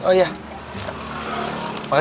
sampai jumpa lagi